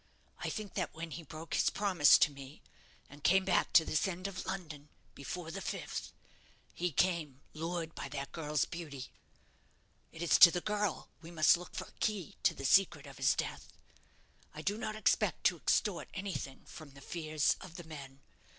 I think that when he broke his promise to me, and came back to this end of London, before the fifth, he came lured by that girl's beauty. It is to the girl we must look for a key to the secret of his death. I do not expect to extort anything from the fears of the men.